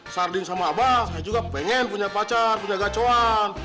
sarding sama abang saya juga pengen punya pacar punya gacuan